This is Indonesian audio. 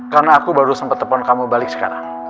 karena aku baru sempet telepon kamu balik sekarang